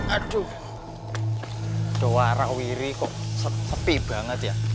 aduh doa rak wiri kok sepi banget ya